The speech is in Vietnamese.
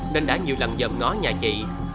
nên đã nhiều lần dầm ngó nhà chị